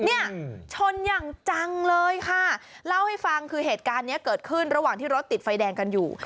เนี่ยชนอย่างจังเลยค่ะเล่าให้ฟังคือเหตุการณ์นี้เกิดขึ้นระหว่างที่รถติดไฟแดงกันอยู่